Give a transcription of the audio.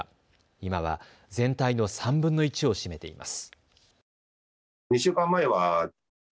今は全体の３分の１を占めています。